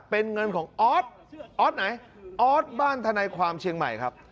เป็นเงินของออสออสไหนออสบ้านทนายความเชียงใหม่ครับ